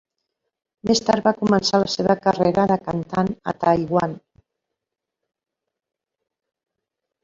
Més tard, va començar la seva carrera de cantant a Taiwan.